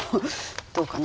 どうかな？